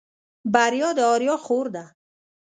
بريا د آريا خور ده.